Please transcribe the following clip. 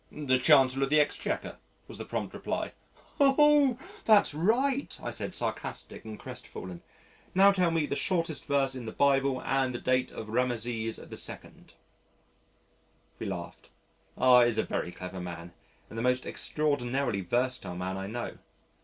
"The Chancellor of the Exchequer," was the prompt reply. "Oh! that's right," I said sarcastic and crestfallen. "Now tell me the shortest verse in the Bible and the date of Rameses II." We laughed. R is a very clever man and the most extraordinarily versatile man I know.